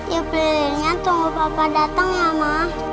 yuk pilihannya tunggu papa datang ya ma